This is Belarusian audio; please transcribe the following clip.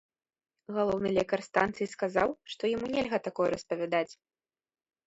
Галоўны лекар станцыі сказаў, што яму нельга такое распавядаць.